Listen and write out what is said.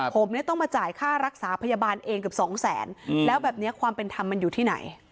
ผมเนี่ยต้องมาจ่ายค่ารักษาพยาบาลเองเกือบสองแสนแล้วแบบนี้ความเป็นธรรมมันอยู่ที่ไหน